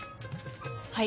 はい